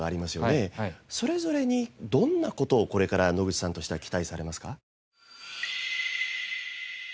それぞれにどんな事をこれから野口さんとしては期待されますか？